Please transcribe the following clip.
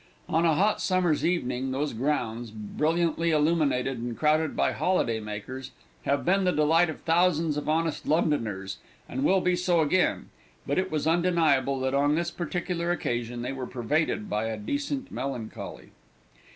On a hot summer's evening those grounds, brilliantly illuminated and crowded by holiday makers, have been the delight of thousands of honest Londoners, and will be so again; but it was undeniable that on this particular occasion they were pervaded by a decent melancholy.